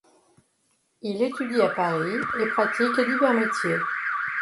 Il étudie à Paris et pratique divers métiers.